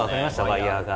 ワイヤーが。